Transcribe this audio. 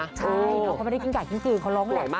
ใช่เค้าไม่ได้กิ้นกะกิ๊นกืนมันลองแหละ